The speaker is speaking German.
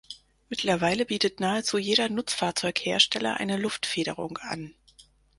Mittlerweile bietet nahezu jeder Nutzfahrzeughersteller eine Luftfederung an.